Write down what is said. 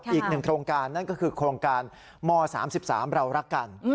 อีกหนึ่งโครงการนั่นก็คือโครงการม๓๓เรารักกัน